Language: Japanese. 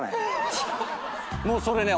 もうそれね